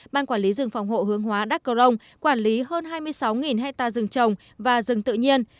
ban quản lý rừng phòng hộ hương hóa đắc rồng quản lý hơn hai mươi sáu hectare rừng trồng và rừng tự nhiên